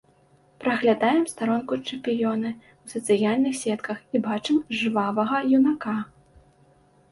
Праглядаем старонку чэмпіёна ў сацыяльных сетках і бачым жвавага юнака.